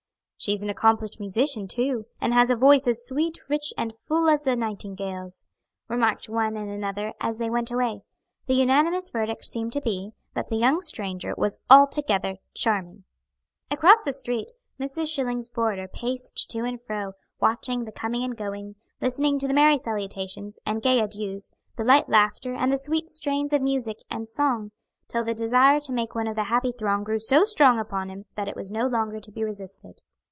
"She's an accomplished musician, too, and has a voice as sweet, rich, and full as a nightingale's," remarked one and another as they went away. The unanimous verdict seemed to be, that the young stranger was altogether charming. Across the street, Mrs. Schilling's boarder paced to and fro, watching the coming and going, listening to the merry salutations, and gay adieux, the light laughter, and the sweet strains of music and song, till the desire to make one of the happy throng grew so strong upon him that it was no longer to be resisted.